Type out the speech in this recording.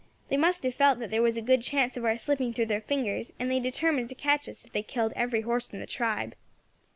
They must have felt that there was a good chance of our slipping through their fingers, and they determined to catch us if they killed every horse in the tribe.